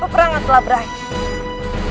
hidup keraton skorok hidup